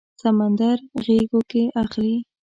سمندر غیږو کې اخلي